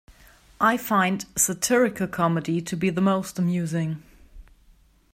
I find satirical comedy to be the most amusing.